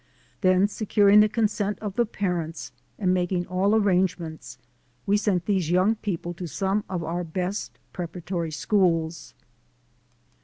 Then securing the consent of the parents and making all arrangements, we sent these young people to some of our best preparatory schools.